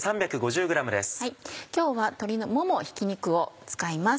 今日は鶏のももひき肉を使います。